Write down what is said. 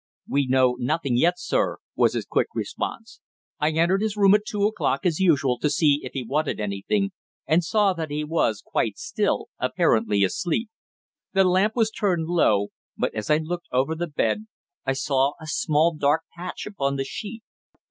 "We know nothing yet, sir," was his quick response. "I entered his room at two o'clock, as usual, to see if he wanted anything, and saw that he was quite still, apparently asleep. The lamp was turned low, but as I looked over the bed I saw a small dark patch upon the sheet.